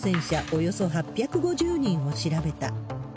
およそ８５０人を調べた。